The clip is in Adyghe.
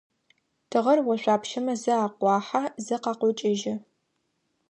Тыгъэр ошъуапщэмэ зэ акъуахьэ, зэ къакъокӏыжьы.